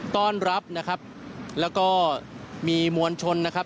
ต้อนรับนะครับแล้วก็มีมวลชนนะครับ